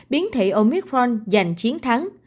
biến thể omicron giành chiến thắng